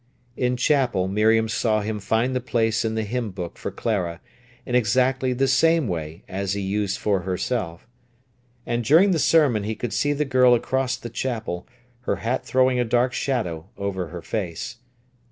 In chapel Miriam saw him find the place in the hymn book for Clara, in exactly the same way as he used for herself. And during the sermon he could see the girl across the chapel, her hat throwing a dark shadow over her face.